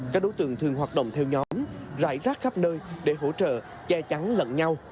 các đối tượng thường hoạt động theo nhóm rải rác khắp nơi để hỗ trợ che chắn lận nhau